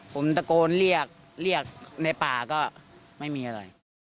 ผมตะโกนเรียกเรียกในป่าก็ไม่มีอะไร